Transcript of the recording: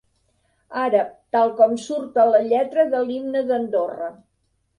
Àrab tal com surt a la lletra de l'himne d'Andorra.